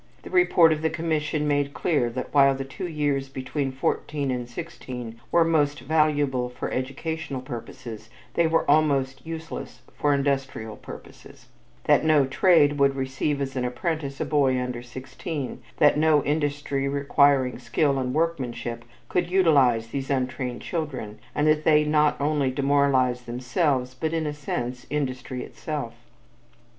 The report of the commission made clear that while the two years between fourteen and sixteen were most valuable for educational purposes, they were almost useless for industrial purposes, that no trade would receive as an apprentice a boy under sixteen, that no industry requiring skill and workmanship could utilize these untrained children and that they not only demoralized themselves, but in a sense industry itself.